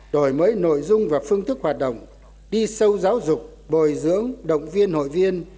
đổi mới nội dung và phương thức hoạt động đi sâu giáo dục bồi dưỡng động viên hội viên